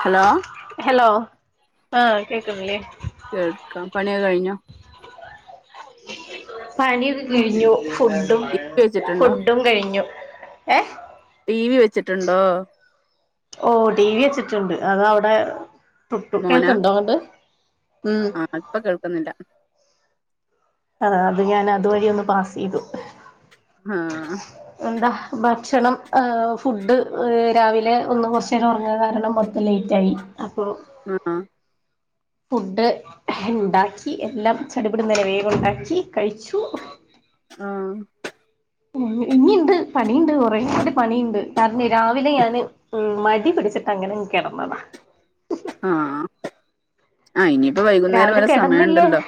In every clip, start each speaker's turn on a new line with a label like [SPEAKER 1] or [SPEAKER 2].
[SPEAKER 1] Hello
[SPEAKER 2] hello ആഹ കേക്കേ
[SPEAKER 1] കേൾക്കാം പണിയ കഴിഞ്ഞോ
[SPEAKER 2] പണിയൊക്കെ കിഴിഞ്ഞു ഫുഡഡും
[SPEAKER 1] ടി വി വെച്ചിട്ടുണ്ടോ
[SPEAKER 2] ഫുഡും കഴിഞ്ഞു ഏഹ
[SPEAKER 1] ടി വി വെച്ചിട്ടുണ്ടോ
[SPEAKER 2] ഓ ടി വി വെച്ചിട്ടുണ്ട് അത അവിടെ പുട്ടക്കൊക്ക ഉണ്ടോ അങ്ങൊണ്ട് ഉ
[SPEAKER 1] അല്പ്പം കേൾക്കുന്നില്ല
[SPEAKER 2] ആ അത് ഞാൻ അതുവഴി ഒന്ന് പാസ് ചെയ്തു
[SPEAKER 1] ആഹ
[SPEAKER 2] എന്താ ഭക്ഷണം ഫുഡ്ഡ് രാവിലെ ഒന്ന് കുറച്ച് നേരം ഉറങ്ങിയ കാരണം മൊത്തം ലേറ്റ് ആയി അപ്പൊ
[SPEAKER 1] ആഹ
[SPEAKER 2] ഫുഡ് ഇണ്ടാക്കി എല്ലാം ചടിപിടുന്നനെ വേഗം ഇണ്ടാക്കി കഴിച്ചു
[SPEAKER 1] ആഹ
[SPEAKER 2] ഇനി ഇണ്ട് പണി ഇണ്ട് കുറെേ കൂടി പണി ഇണ്ട് കാരണം രാവിലെ ഞാനെ മടി പിടിച്ചിട്ട അങ്ങനെങ്ങ് കിടന്നതാ
[SPEAKER 1] ആഹ
[SPEAKER 2] [inaudible] രാവിലെ കെടന്നില്ലേ
[SPEAKER 1] സമയമുണ്ടല്ലോ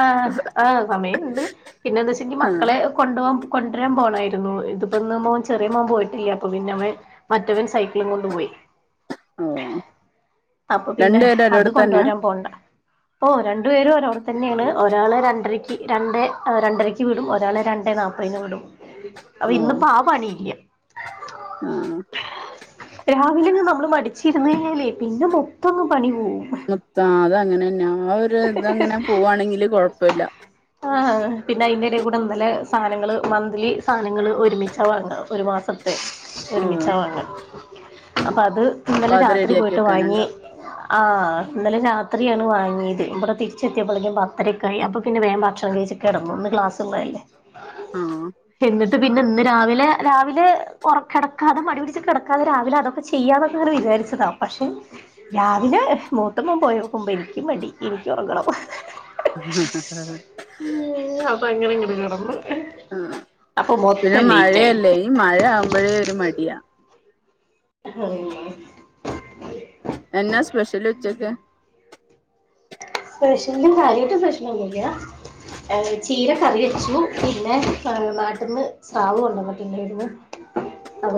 [SPEAKER 2] ആഹ് ആഹ് സമയ്ണ്ട് പിന്നെന്ത് വെച്ചെങ്കിൽ
[SPEAKER 1] ആ
[SPEAKER 2] മക്കളെ കൊണ്ട് പോകൻ കൊണ്ടുവരാൻ പോണായിരുന്നു ഇതിപ്പ ഇന്ന് മോൻ ചെറിയ മോൻ പോയിട്ടില്ല അപ്പൊ പിന്നെ അവൻ മറ്റവൻ സൈക്കിളും കൊണ്ട് പോയി
[SPEAKER 1] ഓ
[SPEAKER 2] അപ്പൊ
[SPEAKER 1] രണ്ടു
[SPEAKER 2] പിന്നെ
[SPEAKER 1] പേരും
[SPEAKER 2] അത്
[SPEAKER 1] ഒരിടത്ത് തന്നെയാ
[SPEAKER 2] കൊണ്ടോരാൻ പോണ്ട ഓഹ് രണ്ടു പേരും ഒരോടത്തെന്നെയാണ് ഒരാള് രണ്ടരക്ക് രണ്ടേ രണ്ടരക്ക് വീടും ഒരാളെ രണ്ടേ നാല്പത് പതിന് വിടും അപ്പ ഇന്ന് ഇപ്പ ആ പണില്ല
[SPEAKER 1] ആഹ്
[SPEAKER 2] രാവിലങ്ങ് നമ്മള് മടിച്ചിരുന്നു കഴിഞ്ഞാലേ പിന്നെ മൊത്തം ഒന്ന് പണി പോകും
[SPEAKER 1] മൊത്തം അത് അങ്ങനെന്നാ ആ ഒരു ഇതങ്ങനെ പോവാണെങ്കില് കൊഴപ്പില്ല
[SPEAKER 2] ആഹ പിന്നെ അതിന്റെട കൂടെ ഇന്നലെ സാനങ്ങള് മന്ത്ലി സാനങ്ങള് ഒരുമിച്ചാ വാങ്ങ ഒരു മാസം
[SPEAKER 1] ഓ
[SPEAKER 2] ഒരുമിച്ച വാങ്ങ അപ്പം അത്
[SPEAKER 1] അപ്പൊ
[SPEAKER 2] ഇന്നലെ
[SPEAKER 1] അത്
[SPEAKER 2] രാത്രി
[SPEAKER 1] റെഡിയാക്കി
[SPEAKER 2] പോയിട്ട് വാങ്ങി
[SPEAKER 1] വെക്കാനുണ്ടാവും
[SPEAKER 2] ആഹ ഇന്നലെ രാത്രിയാണ് വാങ്ങിയത് ഇവിടെ തിരിച്ചെത്തിയപ്പോളേക്കും പത്തരക്കായി അപ്പ പിന്നെ വേം ഭക്ഷണം കഴിച്ച് കിടന്നു ഇന്ന് ക്ലാസ് ഉള്ളതല്ലേ
[SPEAKER 1] ആ
[SPEAKER 2] [inaudible] എന്നിട്ട് പിന്നെ ഇന്ന് രാവിലെ രാവിലെ ഉറക്ക കിടക്കാതെ മടി പിടിച്ച്‌ കിടക്കാതെ രാവിലെ അതൊക്കെ ചെയ്യാന്ന് ഒക്കെ ഇങ്ങനെ വിചാരിച്ചതാ പക്ഷേ രാവിലെ മൂത്ത മോണ് പോയോക്കുമ്പോൾ എനിക്ക് മടി എനിക്ക് ഉറങ്ങണം
[SPEAKER 1] ആഹ്
[SPEAKER 2] അപ്പങ്ങനെ ഇങ്ങട് കിടന്നു
[SPEAKER 1] ആഹ്
[SPEAKER 2] അപ്പൊ
[SPEAKER 1] പിന്നെ
[SPEAKER 2] മൊത്തം ലേറ്റ് ആയി
[SPEAKER 1] മഴയല്ലേ ഈ മഴ ആവുമ്പോഴേ ഒരു മടിയാ
[SPEAKER 2] [unintelligible]
[SPEAKER 1] എന്നാ സ്പെഷ്യൽ ഉച്ചക്ക്
[SPEAKER 2] സ്പെഷ്യൽ കാര്യായിട്ട് സ്പെഷ്യൽ ഒന്നൂല്ല ചീര കറി വെച്ചു പിന്നെ നാട്ടിൽന്ന് സ്രാവ് കൊണ്ടന്നിട്ട്ണ്ടേരുന്നു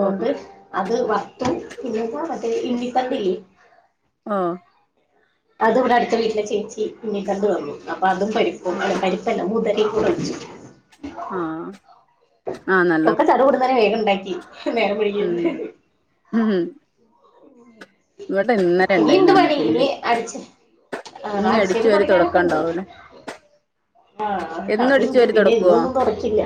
[SPEAKER 1] ഓ
[SPEAKER 2] അത് വർത്തും പിന്നെ എന്താ മറ്റേ ഇണ്ണിതണ്ടില്ലേ
[SPEAKER 1] ആഹ്
[SPEAKER 2] അത് ഇവിടെ അടുത്ത വീട്ടിലെ ചേച്ചി ഉണ്ണിതണ്ട് തന്നു അപ്പൊ അതും പരിപ്പും
[SPEAKER 1] ആ
[SPEAKER 2] അല്ല പരിപ്പല്ല മുതരേം കൂടെ വെച്ചു
[SPEAKER 1] ആഹ നല്ലത്
[SPEAKER 2] ചടുപുടുന്നനെ വേഗം ഇണ്ടാക്കി നേരം വെയ്കി
[SPEAKER 1] ഉം ഉം ഇവിടെ ഇന്നലെ
[SPEAKER 2] ഇനീ ഇണ്ട്
[SPEAKER 1] ഉണ്ടായിരുന്നു
[SPEAKER 2] പണി ഇനി
[SPEAKER 1] ഉണ്ണിപ്പിണ്ടി
[SPEAKER 2] അടിച് ആഹ്
[SPEAKER 1] ഇനി
[SPEAKER 2] അടിച്ചേരി
[SPEAKER 1] അടിച്ചു വാരി
[SPEAKER 2] തുടയ്ക്കാനൊക്കെ
[SPEAKER 1] തൊടക്കാൻ
[SPEAKER 2] ഇണ്ട്
[SPEAKER 1] ഉണ്ടാവൂല
[SPEAKER 2] ആഹ്
[SPEAKER 1] എന്നും
[SPEAKER 2] അത്
[SPEAKER 1] അടിച്ചു
[SPEAKER 2] ഇണ്ട്
[SPEAKER 1] വാരി
[SPEAKER 2] പിന്നെ
[SPEAKER 1] തൊടക്കോ
[SPEAKER 2] ഇന്നൊന്നും തുടക്കില്ല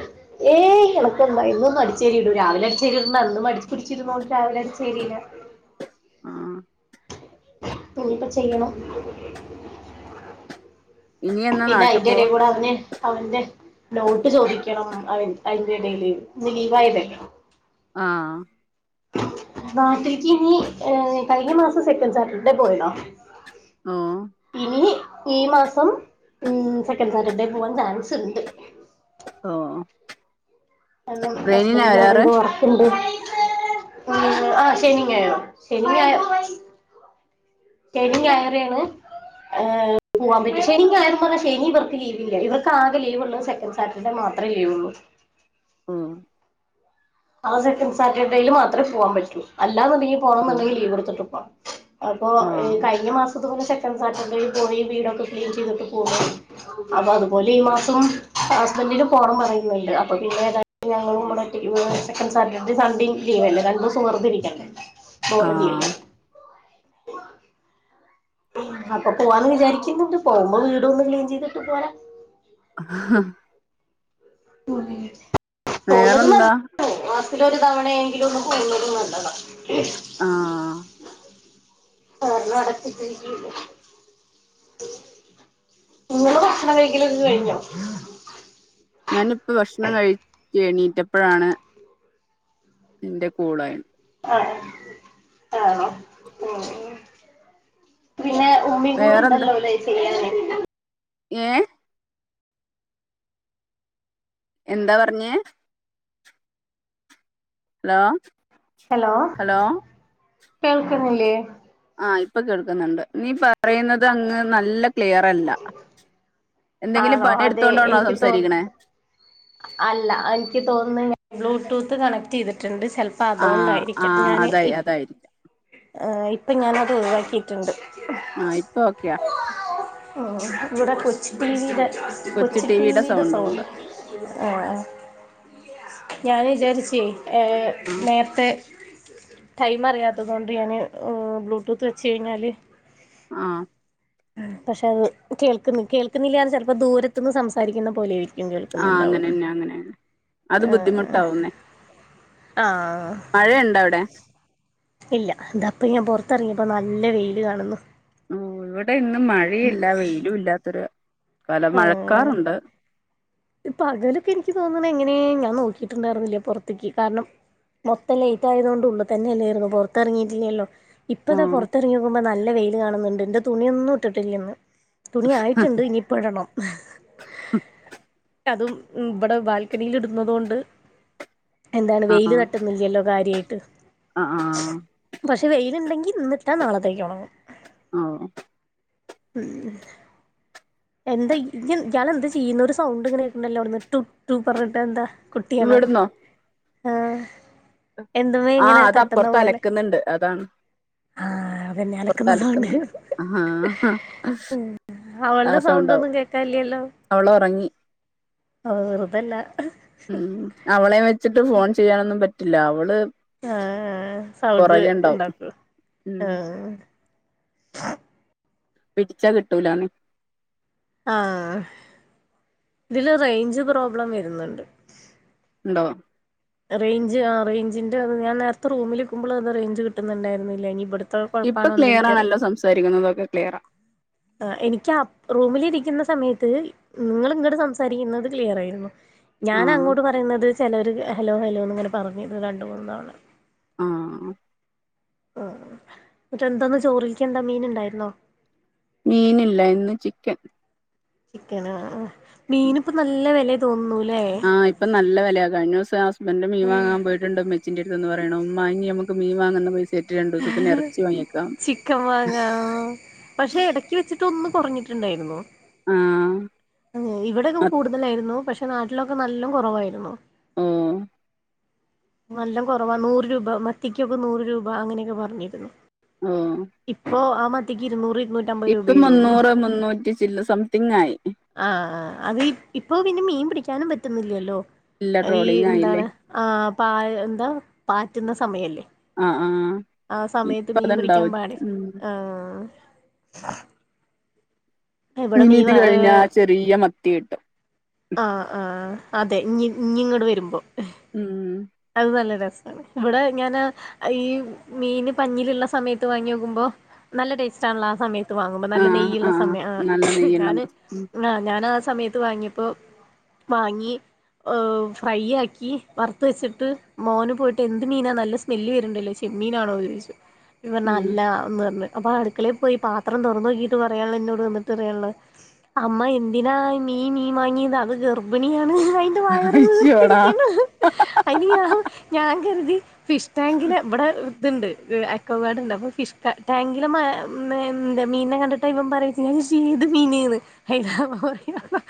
[SPEAKER 2] ഏയ് അണക്കെന്താ എന്നെന്നും അടിച്ചേരി ഇടൂ രാവിലെ അടിച്ചേരിടുന്ന അന്ന് മടി പിടിച്ചിരുന്നോണ്ട് രാവിലെ അടിച്ചേരീല്ല
[SPEAKER 1] ആഹ്
[SPEAKER 2] ഇനിയിപ്പം ചെയ്യണം
[SPEAKER 1] ഇനി എന്നാ
[SPEAKER 2] പിന്നെ
[SPEAKER 1] നാട്ടി
[SPEAKER 2] അയിന്റെ എടെ
[SPEAKER 1] പോവാ
[SPEAKER 2] കൂട അവന് അവന്റെ നോട്ട് ചോദിക്കണം അവന്റെ അതിന്റെ ഇടേല് ഇന്ന് ലീവായതല്ലെ
[SPEAKER 1] ആഹ്
[SPEAKER 2] നാട്ടില്ക്ക് ഇനി ഏഹ് കഴിഞ്ഞ മാസം സെക്കൻഡ് സാറ്റർഡേ പോയതാ
[SPEAKER 1] ആഹ്
[SPEAKER 2] ഇനി ഈ മാസം സെക്കൻഡ് സാറ്റർഡേ പോകാൻ ചാൻസ് ണ്ട്
[SPEAKER 1] ആഹ്
[SPEAKER 2] കാരണം ഹസ്ബന്റിന് അവിടെന്തോ വർക്കുണ്ട് ഉം ആഹ് ശനിം ഞായറും ശനിയും ഞായറും ആണ് പോകാൻ പറ്റും ശനി ഞായറും പറഞ്ഞാല് ശനി ഇവർക്ക് ലീവില്ല ഇവർക്ക് ആകെ ലീവ്ള്ള സെക്കൻസ് സാറ്റർഡേ മാത്രെ ലീവ്ള്ളൂ
[SPEAKER 1] ആഹ്
[SPEAKER 2] ആഹ് സെക്കൻ് സാറ്റർഡേയിയില് മാത്രമേ പോവാൻ പറ്റുള്ളൂ അല്ലാ എന്നുണ്ടെങ്കിൽ പോകണം
[SPEAKER 1] ഓഹ്
[SPEAKER 2] എന്നുണ്ടെങ്കിൽ ലീവ് എടുത്തിട്ട് പോകണം അപ്പൊ
[SPEAKER 1] ആഹ്
[SPEAKER 2] കഴിഞ്ഞ മാസം പോലെ സെക്കൻഡ് സാറ്റർഡേയിൽ പോയി വീടൊക്കെ ക്ലീൻ ചെയ്തിട്ട് പോ അപ്പൊ അതുപോലെ ഈ മാസം ഹസ്ബന്ഡില് പോണം പറയുന്നുണ്ട് അപ്പൊ പിന്നെ ത എല്ലാം കൂടി ഒറ്റക്ക് സെക്കന്റ്‌ സാറ്റർഡേ സണ്ടേയും ലീവല്ല രണ്ട് ദിവസം വറതെ ഇരിക്കണ്ടെ ബോർ അടി അല്ല
[SPEAKER 1] ആഹ്
[SPEAKER 2] അപ്പൊ പോവാന്ന് വിചാരിക്കുന്നുണ്ട് പോകുമ്പോ വീട് ഒന്ന് ക്ലീൻ ചെയ്തിട്ട് പോര
[SPEAKER 1] ആഹ്
[SPEAKER 2] തോന്നത്
[SPEAKER 1] വേറെന്താ
[SPEAKER 2] മാസത്തിലൊരു തവണയെങ്കിലും ഒന്ന് പോയി വരുന്നത് നല്ലത
[SPEAKER 1] ആഹ്
[SPEAKER 2] കാരണം അടച്ചിട്ടിരിക്കല്ല നിങ്ങൾ ഭക്ഷണം കഴക്കല ഒക്കെ കഴിഞ്ഞൊ
[SPEAKER 1] ഞാനിപ്പ ഭക്ഷണം കഴിച്ച് എണീറ്റപ്പോഴാണ് എന്റെ കൂളായണ്
[SPEAKER 2] ആഹ് ആഹ് ഉം പിന്നെ ഉമ്മീ കൂടെ
[SPEAKER 1] വേറെന്താ
[SPEAKER 2] ഉണ്ടല്ലോ അല്ലെ ചെയ്യാൻ
[SPEAKER 1] ഏഹ് എന്താ പറഞ്ഞ ഹലോ
[SPEAKER 2] ഹലോ കേൾക്കുന്നില്ലേ
[SPEAKER 1] ആഹ് ഇപ്പൊ കേൾക്കുന്നുണ്ട് നീ പറയുന്നത് അങ്ങ് നല്ല ക്ലിയർല്ല എന്തെങ്കിലും
[SPEAKER 2] ആണോ
[SPEAKER 1] പണി
[SPEAKER 2] അതെ
[SPEAKER 1] എടുത്തോണ്ടണോ
[SPEAKER 2] എനിക്ക് തോ
[SPEAKER 1] സംസാരിക്കണേ
[SPEAKER 2] അല്ല എനിക്ക് തോന്നുന്നു ഞാൻ ബ്ലൂടൂത്ത് കണക്ട് ചെയ്തിട്ടുണ്ട് ചെ പ്പ
[SPEAKER 1] ആഹ്
[SPEAKER 2] അതുകൊണ്ടായിരിക്കാം
[SPEAKER 1] ആഹ്
[SPEAKER 2] ഞാന്
[SPEAKER 1] അതായി അതായിരിക്കും
[SPEAKER 2] ഇപ്പൊ ഞാനത് ഒഴിവാക്കി റ്റണ്ട്
[SPEAKER 1] ആഹ് ഇപ്പ ഓക്കെയ
[SPEAKER 2] ഇവിടെ കൊച്ച ടിവുടെ
[SPEAKER 1] കൊച്ചു
[SPEAKER 2] കൊച്ചി
[SPEAKER 1] ടിവിയുടെ
[SPEAKER 2] ടിവുടെ
[SPEAKER 1] സൗണ്ടും
[SPEAKER 2] സൗൺ
[SPEAKER 1] ഉണ്ട്
[SPEAKER 2] ആഹ് ആഹ് ഞൻ വിചാരിച്ച ഏഹ്
[SPEAKER 1] ആഹ്
[SPEAKER 2] നേരത്തെ ടൈം അറിയാത്തത് കൊണ്ട് ഞാന് ബ്ലൂടൂത്ത് വെച്ച് കഴിഞ്ഞാല്
[SPEAKER 1] ആഹ്
[SPEAKER 2] പക്ഷെ അത് കേൾക്കുന്ന കേൾക്കുന്നില്ലാണ് ചിലപ്പോ ദൂരത്തുന്ന് സംസാരിക്കുന്ന പോലെരിക്കും
[SPEAKER 1] ആഹ് അങ്ങനെന്നെ അങ്ങനെയന്നെ അത്
[SPEAKER 2] ആഹ്
[SPEAKER 1] ബുദ്ധിമുട്ടാവുന്നേ
[SPEAKER 2] ആഹ്
[SPEAKER 1] മഴയുണ്ടൊ അവിടെ
[SPEAKER 2] ഇല്ല ഇത അപ്പം ഞാൻ പുറത്തിറങ്ങിയപ്പോൾ നല്ല വെയില് കാണുന്നു
[SPEAKER 1] ഇവിടെ ഇന്നും മഴയല്ല വെയിലും ഇല്ലാത്തൊരു കാലം മഴക്കാറുണ്ട്
[SPEAKER 2] ഇപ്പ പകലൊക്കെ എനിക്ക് തോന്നണ എങ്ങനെ ഞാൻ നോക്കിയിട്ടുണ്ടായിരുന്നില്ലേ പുറത്തേക്ക് കാരണം മൊത്തം ലേറ്റ് ആയത കൊണ്ട് ഉള്ള തന്നെയല്ലോയിരുന്നു പുറത്തിറങ്ങിയിട്ടില്ലല്ലോ ഇപ്പ ഇതാ
[SPEAKER 1] ഓഹ്
[SPEAKER 2] പുറത്തിറങ്ങിക്കുമ്പോ നല്ല വെയിയില് കാണുന്നുണ്ട് എന്റെ തുണിയൊന്നും ഇട്ടിട്ടില്ലന്ന് തുണി ആയിട്ടുണ്ട് ഇനിപ്പ ഇടണം അതും ഇവിടെ ബാൽക്കണിൽ ഇടുന്നത് കൊണ്ട് എന്താണ് വെയില് തട്ടുന്നില്ലല്ലോ കാര്യമായിട്ട്
[SPEAKER 1] അ ആഹ്
[SPEAKER 2] പക്ഷെ വെയിലുണ്ടങ്കിൽ ഇന്നിട്ടാം നാളത്തേക്ക് ഉണങ്ങും
[SPEAKER 1] ഓ
[SPEAKER 2] ഉം എന്താ ഇയ് താൻ എന്ത ചെയ്യുന്നൊ ഒരു സൗണ്ട് ഇങ്ങനെ കേക്ക്ണ്ടല്ലോവിട്ന്നു ടു ടു പറഞ്ഞിട്ട് എന്താ കുട്ടിയണോ
[SPEAKER 1] ഇവിടുന്നോ
[SPEAKER 2] ആഹ് എന്തവേ ഇങ്ങനെ
[SPEAKER 1] ആഹ് അത്
[SPEAKER 2] തട്ടുന്ന
[SPEAKER 1] അപ്പുറത്ത്
[SPEAKER 2] പോലെ
[SPEAKER 1] അലക്കുന്നുണ്ട് അതാണ്
[SPEAKER 2] ആഹ അതന്നെ
[SPEAKER 1] അപ്പുറത്ത്
[SPEAKER 2] അലക്കുന്ന സൗണ്ട്
[SPEAKER 1] അലക്കുന്നുണ്ട് ആഹ് ആ
[SPEAKER 2] അവള സൗണ്ട്
[SPEAKER 1] സൗണ്ടാവും
[SPEAKER 2] ഒന്നും കേക്കാനില്ലല്ലോ
[SPEAKER 1] അവള് ഉറങ്ങി
[SPEAKER 2] ഓ വെറുതല്ല
[SPEAKER 1] ഉം അവളെ വെച്ചിട്ട് ഫോൺ ചെയ്യാനൊന്നും പറ്റില്ല അവള്
[SPEAKER 2] ആഹ് സൗണ്ട്
[SPEAKER 1] പുറകേ ഉണ്ടാവും
[SPEAKER 2] ഇണ്ടാക്കും
[SPEAKER 1] ഉം
[SPEAKER 2] ആഹ്
[SPEAKER 1] പിടിച്ചാ കിട്ടൂലാണ്
[SPEAKER 2] ആഹ് ഇതില് റേഞ്ച് പ്രോബ്ലം വരുന്നുണ്ട്
[SPEAKER 1] ഉണ്ടോ
[SPEAKER 2] റേഞ്ച് ആഹ് റേഞ്ചിന്റെ അത് ഞാൻ നേരത്തെ റൂമിൽ നിക്ക്മ്പോ അത് റേഞ്ച് കിട്ടുന്നുണ്ടായിരുന്നില്ല ഇനി ഇവിടു
[SPEAKER 1] ഇപ്പൊ ക്ലിയറാണല്ലോ സംസാരിക്കുന്നുന്നത്ക്കെ ക്ലിയറാ
[SPEAKER 2] ആഹ് എനിക്ക് റൂമിലിരിക്കുന്ന സമയത്ത് ഇങ്ങൾ ഇങ്ങട് സംസാരിക്കുന്നത് ക്ലിയർ ആയിരുന്നു ഞാൻ
[SPEAKER 1] ആഹ്
[SPEAKER 2] അങ്ങോട്ട് പറയുന്നത് ചിലവർ ഹലോ ഹലോന്ന്ങ്ങനെ പറഞ്ഞത് രണ്ട് മൂന്ന് തവണ
[SPEAKER 1] ആഹ്
[SPEAKER 2] ആഹ് എന്തോന്ന് ചോറിൽക്ക് എന്താ മീൻ ഉണ്ടായിരുന്നോ
[SPEAKER 1] മീനില്ല ഇന്ന് ചിക്കൻ
[SPEAKER 2] ചിക്കൻ ആഹ് മീനി ഇപ്പ നല്ല വില തോന്നൂല്ലേ
[SPEAKER 1] ആഹ് ഇപ്പ നല്ല വിലയ കഴിഞ്ഞ ദിവസം ഹസ്ബൻഡ് മീൻ വങ്ങാൻ പോയിട്ടുണ്ട് എന്റെ അടുത്ത്ന്ന് പറയണു ഉമ്മ നമുക്ക് മീൻ വാങ്ങുന്ന പൈസ രണ്ടു ദിവസത്തിന് ഇറച്ചി വാങ്ങിക്കാം
[SPEAKER 2] ചിക്കൻ ഇടയ്ക്ക് വെച്ചിട്ടൊന്ന് കുറഞ്ഞിട്ടുണ്ടായിരുന്നു
[SPEAKER 1] ആഹ്
[SPEAKER 2] ആഹ് ഇവിടെയൊക്കെ
[SPEAKER 1] അത്
[SPEAKER 2] കൂടുതലായിരുന്നു പക്ഷെ നാട്ടിലൊക്കെ നല്ല കുറവായിരുന്നു
[SPEAKER 1] ഉം
[SPEAKER 2] നല്ല കുറവാ നൂറ് രൂപ മത്തിക്കൊക്കെ നൂറ് രൂപ അങ്ങനെയൊക്കെ പറഞ്ഞിരുന്നു
[SPEAKER 1] ആഹ്
[SPEAKER 2] ഇപ്പൊ ആ മത്തിക്ക് ഇരുന്നൂറ് ഇരുന്നൂറ്
[SPEAKER 1] ഇപ്പ മുന്നൂറ് മുന്നൂറ്റി ചില്ല സംതിങ് ആയി
[SPEAKER 2] ആഹ് ആഹ് അത് ഇപ്പൊ പിന്നെ മീൻ പിടിക്കാനും പറ്റുന്നില്ലല്ലോ
[SPEAKER 1] ഇല്ല
[SPEAKER 2] ഈ
[SPEAKER 1] ട്രോളിങ് ആയില്ലേ
[SPEAKER 2] എന്താണ് ആഹ് പാ എന്താ പാറ്റുന്ന സമയല്ലേ
[SPEAKER 1] ആഹ് ആഹ്
[SPEAKER 2] ആഹ്
[SPEAKER 1] ഇപ്പ
[SPEAKER 2] സമയത്ത് മീൻ പിടിക്കാൻ
[SPEAKER 1] അത്ണ്ടാവും
[SPEAKER 2] പാടില്ല
[SPEAKER 1] ഉം
[SPEAKER 2] ആഹ് ഇവിടെ
[SPEAKER 1] ഇനി
[SPEAKER 2] മീൻ
[SPEAKER 1] ഇത്
[SPEAKER 2] ആഹ്
[SPEAKER 1] കഴിഞ്ഞ ചെറിയ മത്തി കിട്ടും
[SPEAKER 2] ആഹ് ആഹ് അതെ ഞ്ഞി ഇഞ്ഞി ഇങ്ങട് വരുമ്പം
[SPEAKER 1] ഉം
[SPEAKER 2] അത് നല്ല രസ ഇവിടെ ഞാന് ഈ മീന് പഞ്ഞിലുള്ള സമയത്ത് വാങ്ങിക്കുമ്പോ നല്ല ടേസ്റ്റ് ആണല്ലോ ആ സമയ ത്ത് വാങ്ങുമ്പോ നല്ല
[SPEAKER 1] ആഹ്
[SPEAKER 2] നെയ്യുള്ള
[SPEAKER 1] ആഹ്
[SPEAKER 2] സമയ
[SPEAKER 1] നല്ല
[SPEAKER 2] ആഹ്
[SPEAKER 1] നെയ്യുള്ള
[SPEAKER 2] ഞാന്
[SPEAKER 1] മത്തി ഉം
[SPEAKER 2] ആ ഞാനാ ആ സമയത്ത് വാങ്ങിയ ഇപ്പോൾ വാങ്ങി ഫ്രൈ ആക്കി വറുത്ത് വെച്ച് ട്ട് മോന് പോയിട്ട് എന്ത് മീനാ നല്ല സ്മെല്ല് വരണ്ടല്ലോ ചെമ്മീനാണോ ചോദിച്ചു ഞാൻ പറഞ്ഞു
[SPEAKER 1] ഉം
[SPEAKER 2] അല്ല ന്ന്റ്ഞ്ഞ് അപ്പൊ അടുക്കളേ പോയി പാത്രം തൊറന്നോക്കിട്ട് പറയാനുള്ളോ എന്നോട് വന്നിട്ട്റയാനുള്ള അമ്മ എന്തിനാ ഈ മീൻ മീൻ വാങ്ങിയത് അത് ഗർഭിണിയാണ് അയി ന്റെ വയറ്
[SPEAKER 1] അയ്യോടാ
[SPEAKER 2] വീർത്തിരിക്കണ് [unintelligible] ഞാൻ കരുതി ഫിഷ് ടാങ്കില് ഇവ്ടെ ത്ണ്ട് ഈ അക്കോ ഗാർഡ്ണ്ട് അപ്പ ഫിഷ് ടാ ടാങ്കില മ മി ദ് മീൻനകണ്ട് അപ്പ ഇവൻ പറയ [unintelligible] ഞാൻ ചോയിച്ച് ഏത് മീന് ന്ന് അതിന് അവൻ പറയുവാ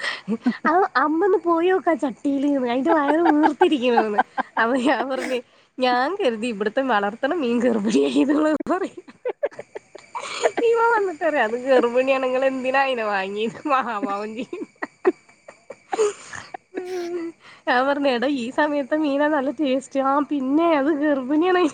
[SPEAKER 2] അത് അമ്മ ഒന്ന് പോയോക്ക് ആ ചട്ടില് ന്ന് അയിന്റെ വയറ് വീർത്തിരിക്കുന്നു ന്ന് അപ്പ ഞാൻ പറഞ്ഞ് ഞാൻ കരുതി ഇവിടുത്തെ വളർത്തണ മീൻ ഗർഭണി ആയെന്ന് [unintelligible] [unintelligible] അന്നിട്ടറയും അത് ഗർഭിണിയാണ് ഇങ്ങള് എന്തിനാ അയിനെ വാങ്ങീത് മഹാപാവം ചെയ്യന്ന [unintelligible] ഞാൻ പറഞ്ഞേ ടാ ഈ സമയത്തെ മീനാ നല്ല ടേസ്റ്റ് ആ പിന്നെ അത് ഗർഭിണിയാണയി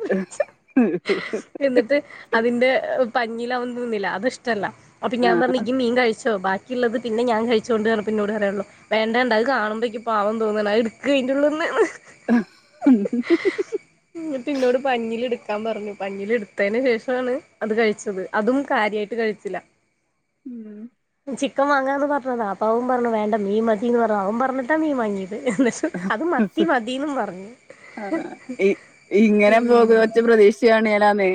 [SPEAKER 1] [unintelligible]
[SPEAKER 2] എന്നിട്ട് അതിന്റെ പഞ്ഞില അവൻ തിന്നില്ല അത് ഇഷ്ടല്ല. അപ്പം ഞാൻ
[SPEAKER 1] ആഹ്
[SPEAKER 2] പറഞ്ഞ് ഇയ്യ് മീൻ കഴിച്ചോ ബാ ക്കിള്ളത് പിന്നെ ഞാൻ കഴിച്ചോണ്ട് [unintelligible] ന്നോട് പറയാനു വേണ്ട ണ്ട അത് കാണുമ്പോനിക്ക് പാവം തോന്നുന്നു അത്ട്കഴിന്റള്ളുന്നു [unintelligible]
[SPEAKER 1] [unintelligible]
[SPEAKER 2] എന്നോട് പഞ്ഞില് എടുക്കാൻ പറഞ്ഞു പഞ്ഞില് എടുത്തയിന് ശേഷാണ് അത് കഴിച്ചത് അതും കാര്യായിട്ട് കഴിച്ചില്ല.
[SPEAKER 1] ഉം
[SPEAKER 2] [inaudible] ചിക്കൻ വാങ്ങാന്ന് പറഞ്ഞതാ അപ്പവൻ പറഞ്ഞു വേണ്ട മീൻ മതിന്ന് പറ അവൻ പറഞ്ഞിട്ടാ മീൻ വാങ്ങിയത് എന്നിട്ട് അത് മ
[SPEAKER 1] മ്ഹ് ആ ഇ ഇങ്ങനെ പോകോച് പ്രദേശ്യാണെലാന്നെ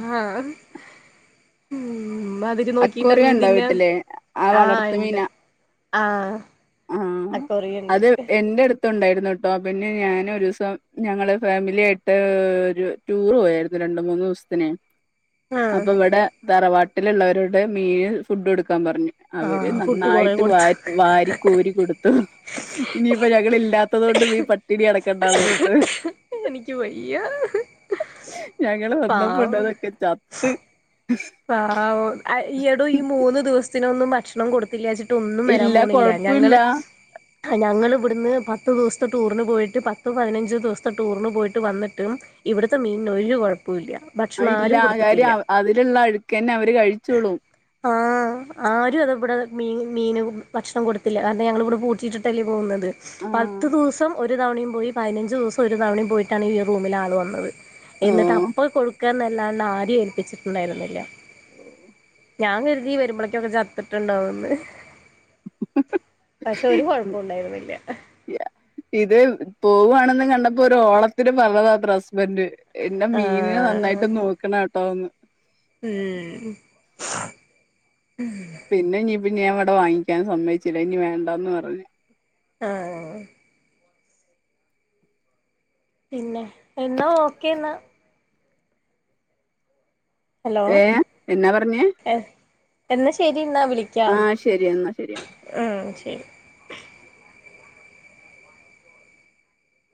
[SPEAKER 2] ഹാഹ് മ്മതി ത് നോക്കിട്ടാ
[SPEAKER 1] അക്വേറിയം ഉണ്ടോ
[SPEAKER 2] മീന്തിന്നാ
[SPEAKER 1] വീട്ടില് ആ വളർത്ത്
[SPEAKER 2] ആഹ്ണ്ട് ആ
[SPEAKER 1] മ് അത് എന്റെടു ത്തുണ്ടായിരുന്നുട്ടോ പിന്നെ ഞാൻ ഒരുസം ഞങ്ങള് ഫാമില്യായിട്ട് ഒരു ടൂറ് പോയായിരുന്നു രണ്ട്മൂന്നോസത്തിനെ
[SPEAKER 2] ആഹ്
[SPEAKER 1] അപ്പൊ ഇവിടെ തറവാട്ടിലുള്ളവരുടെ മീന് ഫുഡ് എടുക്കാൻ പറഞ്ഞു. അവര്
[SPEAKER 2] ആഹ് ഫുഡ് കൊറേ
[SPEAKER 1] നന്നായിട്ട്
[SPEAKER 2] കൊടുത്ത്
[SPEAKER 1] വാര് വാരിക്കോരി കൊടുത്തു ഇനിയിപ്പ ഞങ്ങൾ ഇല്ലാത്തത്കൊണ്ട് ഈ പട്ടിണി അട കണ്ടാന്നോർത്ത്
[SPEAKER 2] എനിക്ക് വയ്യ
[SPEAKER 1] [unintelligible] ഞങ്ങള്
[SPEAKER 2] പാവം
[SPEAKER 1] വന്നപ്പോണ്ടതൊക്കെ ചത്ത്. [inaudible]
[SPEAKER 2] പാവോ ആ എടോ ഈ മൂന്ന് ദിവസത്തിനൊന്നും ഭക്ഷണം കൊടുത്തില്ലച്ചിട് ട്ടൊന്നും വരാൻ
[SPEAKER 1] ഇല്ല
[SPEAKER 2] പോണില്ല
[SPEAKER 1] കൊഴപ്പല്ല
[SPEAKER 2] ഞങ്ങള് ഞങ്ങൾവിടുന്ന് പത്ത് ദിവ്സത്തെ ടൂറിന് പോയിട്ട് പത്ത് പതിനഞ്ച് ദിവ്സത്തെ ടൂറിന് പോയിട്ട് വന്നിട്ടും ഇവിടത്തെ മീനൊരു കൊഴപ്പോല്ല്യാ
[SPEAKER 1] ആ ഇല്ല കാര്യം അവ് അതിലുള്ളഴുക്കെന്നെ അവര് കഴിച്ചോളും.
[SPEAKER 2] ആഹ് ആ ആരും അതിവിടെ മീന് മീന് ഭക്ഷണം കൊടുത്തില്ല കാരണം ഞങ്ങളിവിടെ പൂട്ടിട്ടിട്ടല്ലേ പോകുന്നത്.
[SPEAKER 1] ആഹ്
[SPEAKER 2] പത്ത് ദിവസം ഒരു തവണയും പോയി പയിനഞ്ച് ദിവസം ഒരു തവണയും പോയിട്ടാണ് ഈ റൂമിൽ ആള് വന്നത്. എന്നിട്ട്
[SPEAKER 1] ഓഹ്
[SPEAKER 2] അപ്പ കൊടുക്കന്നല്ലാണ്ടാര്യേം ഏൽപ്പിച്ചിട്ടുണ്ടായിരുന്നില്ല്യ. ഞാൻ കരുതി വരുമ്പോളക്കെ അത് ചത്തിട്ടുണ്ടാവന്ന്. പഷെ ഒരു കൊഴപ്പോണ്ടായിരുന്നില്ല.
[SPEAKER 1] [unintelligible] ഇത് പോവാണെന്ന് കണ്ടപ്പോ ഒരു ഓളത്തിന് പറഞ്ഞതാത്ര ഹസ്ബൻഡ്. എന്റെ മീനിനെ
[SPEAKER 2] ആഹ്
[SPEAKER 1] നന്നായിട്ട് നോക്കണട്ടോന്ന്.
[SPEAKER 2] മ്
[SPEAKER 1] പിന്നെ ഇനിയിപ്പ ഞാൻ ഇവടെ വാങ്ങിക്കാൻ സമ്മയിച്ചില്ല ഇനി വേണ്ടന്ന് പറഞ്ഞു.
[SPEAKER 2] ആഹ് പിന്നെ എന്നാ ഓക്കേന്നാ ഹലോ
[SPEAKER 1] ഏഹ് എന്നാ പറഞ്ഞേ
[SPEAKER 2] എന്നാ ശരി ന്നാ വിളി
[SPEAKER 1] ആ ശരിന്നാ ശരിയന്ന
[SPEAKER 2] ആ ശരി